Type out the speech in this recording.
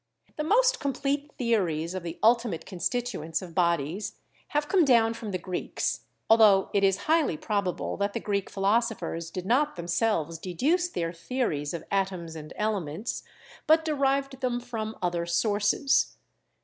The most complete theories of the ultimate constituents of bodies have come down from the Greeks, although it is highly probable that the Greek philosophers did not them selves deduce their theories of atoms and elements, but derived them from other sources.